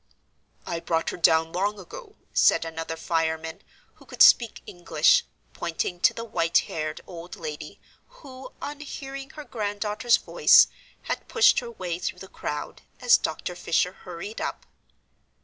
"I brought her down long ago," said another fireman, who could speak English, pointing to the white haired old lady, who, on hearing her granddaughter's voice, had pushed her way through the crowd, as Dr. Fisher hurried up.